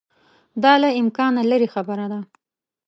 دا له امکانه لیري خبره ده.